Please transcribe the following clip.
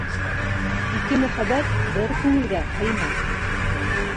Ике мөхәббәт бер күңелгә һыймай.